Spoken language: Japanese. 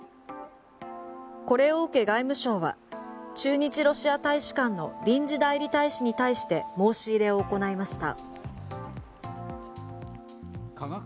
これを受け外務省は駐日ロシア大使館の臨時代理大使に対して申し入れを行いました。